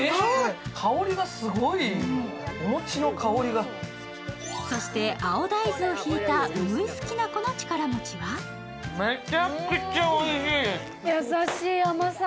香りがすごい、お餅の香りがそして青大豆をひいたうぐいすきな粉の力餅は優しい甘さ。